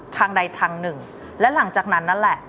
ทางใดทางหนึ่งและหลังจากนั้นนั่นแหละ